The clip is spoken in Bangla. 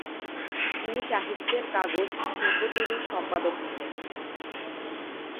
তিনি সাহিত্যের কাগজ ‘শিল্পতরু’র সম্পাদক ছিলেন।